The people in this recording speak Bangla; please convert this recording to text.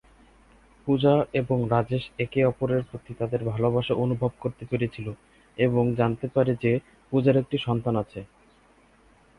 পূজা এবং রাজেশ একে অপরের প্রতি তাদের ভালবাসা অনুভব করতে পেরেছিল এবং জানাতে পারে যে পূজার একটি সন্তান আসছে।